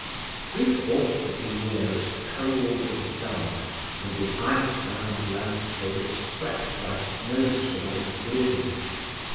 Three fourths of the year is cold and dark, and the ice bound landscape is swept by snowstorm and blizzard.